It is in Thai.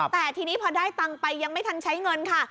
แต่ทีนี้พอได้ตังค์ไปยังไม่ทันใช้เงินค่ะ